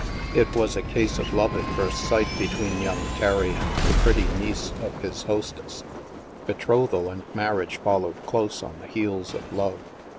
It was a case of love at first sight between young Terry and the pretty niece of his hostess. Betrothal and mar riage followed close on the heels of love.